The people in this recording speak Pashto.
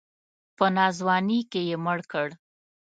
په ناځواني کې یې مړ کړ.